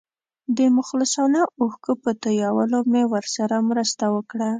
د مخلصانه اوښکو په تویولو مې ورسره مرسته وکړه.